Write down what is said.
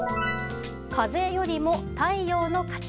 風よりも太陽の勝ち。